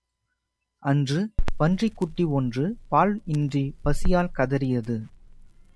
அன்று, பன்றிக் குட்டி ஒன்று பால் இன்றிப் பசியால் கதறியது.